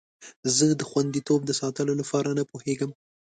زه د خوندیتوب د ساتلو لپاره نه پوهیږم.